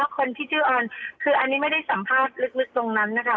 คนที่ชื่อออนคืออันนี้ไม่ได้สัมภาษณ์ลึกตรงนั้นนะคะ